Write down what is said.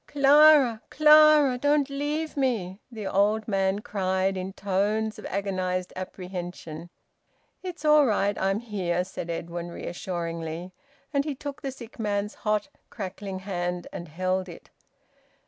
"Clara! Clara! Don't leave me!" the old man cried in tones of agonised apprehension. "It's all right; I'm here," said Edwin reassuringly. And he took the sick man's hot, crackling hand and held it.